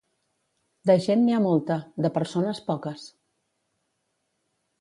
De gent, n'hi ha molta; de persones, poques.